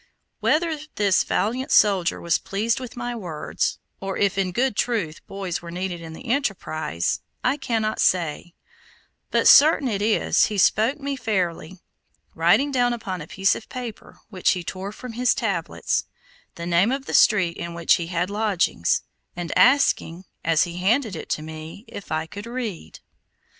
Whether this valiant soldier was pleased with my words, or if in good truth boys were needed in the enterprise, I cannot say; but certain it is he spoke me fairly, writing down upon a piece of paper, which he tore from his tablets, the name of the street in which he had lodgings, and asking, as he handed it to me, if I could read.